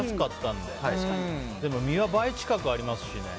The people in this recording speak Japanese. でも身は倍近くありますしね。